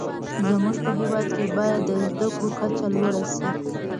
زموږ په هیواد کې باید د زده کړو کچه لوړه شې.